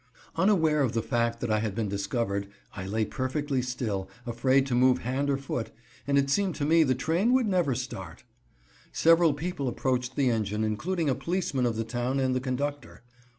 Unaware of the fact that I had been discovered, I lay perfectly still, afraid to move hand or foot, and it seemed to me the train would never start. Several people approached the engine, including a policeman of the town and the conductor.